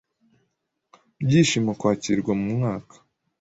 Byishimo kwakirwa mumwaka